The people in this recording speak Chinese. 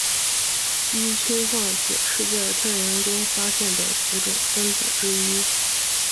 一氢化铁是在太阳中发现的几种分子之一。